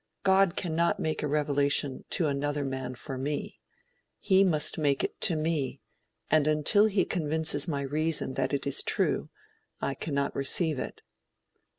God cannot make a revelation to another man for me. He must make it to me, and until he convinces my reason that it is true, I cannot receive it.